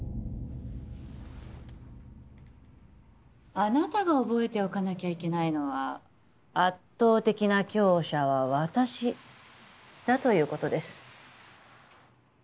あなたが覚えておかなきゃいけないのは圧倒的な強者は私だということです